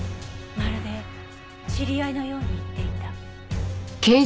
まるで知り合いのように言っていた。